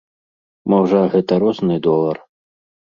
Можа, гэта розны долар.